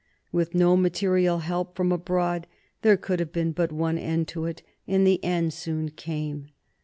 With no material help from abroad there could have been but one end to it, and the end soon came.